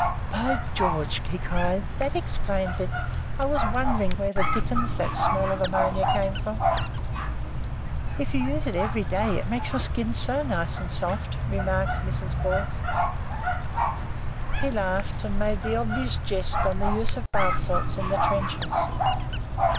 "By George!" he cried. "That explains it. I was wondering where the Dickens that smell of ammonia came from." "If you use it every day it makes your skin so nice and soft," remarked Mrs. Boyce. He laughed, and made the obvious jest on the use of bath salts in the trenches.